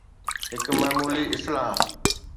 هڪ معمولي اصلاح